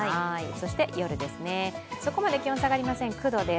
そして夜そこまで気温下がりません９度です。